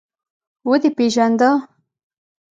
_ودې پېژانده؟